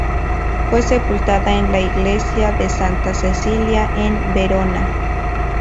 Fue sepultada en la Iglesia de Santa Cecília, en Verona.